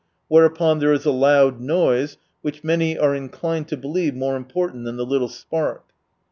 Whereupon there is a loud noise, which many are inclined to believe more important than the little spark.